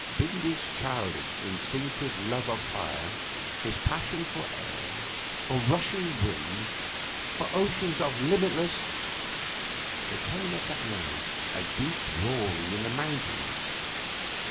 Bindy's childish, instinctive love of fire, his passion for air, for rushing wind, for oceans of limitless There came at that moment a deep roaring in the mountains.